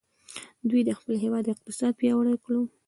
دوی د خپل هیواد اقتصاد پیاوړی کړ.